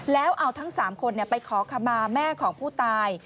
แล้วเอาทั้งสามคนเนี่ยไปขอคำมาแม่ของผู้ตาย